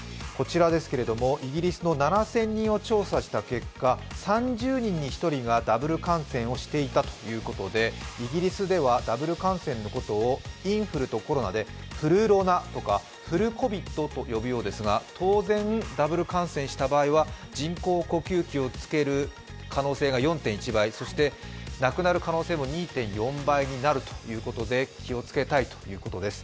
イギリスの７０００人を調査した結果、３０人に１人がダブル感染をしていたということで、イギリスではダブル感染のことをインフルとコロナでフルロナとかフルコビットと呼ぶようですが、当然、ダブル感染した場合は人工呼吸器をつける可能性が４．１倍、そして亡くなる可能性も２．４倍になるということで気をつけたいということです。